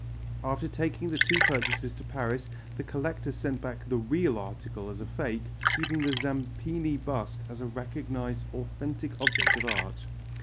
After taking the two purchases to Paris the collector sent back the real article as a fake, keeping the Zampini bust as a recognized authentic object of art.